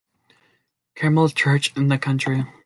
Carmel Church in the country.